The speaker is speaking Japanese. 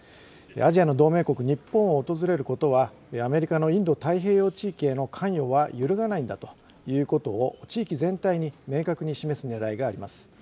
アジアの同盟国、日本を訪れることは、アメリカのインド太平洋地域への関与は揺るがないんだということを、地域全体に明確に示すねらいがあります。